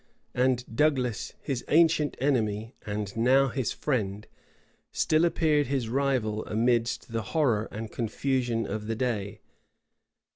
And Douglas, his ancient enemy, and now his friend, still appeared his rival amidst the horror and confusion of the day.